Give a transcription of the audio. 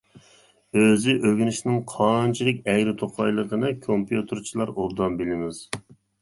ئۆزى ئۆگىنىشنىڭ قانچىلىك ئەگرى توقايلىقىنى كومپيۇتېرچىلار ئوبدان بىلىمىز.